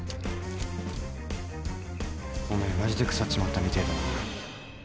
おめえマジで腐っちまったみてえだな。